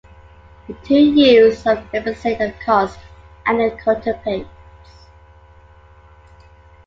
The two youths are reminiscent of Cautes and Cautopates.